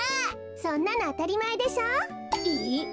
そんなのあたりまえでしょ？え？